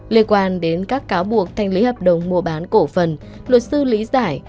liên quan đến các cáo buộc thành lý hợp đồng mua bán cổ phần luật sư lý giải